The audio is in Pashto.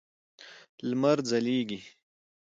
لمر ځلېږي.